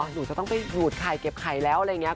หนูจะต้องไปดูดไข่เก็บไข่แล้วอะไรอย่างนี้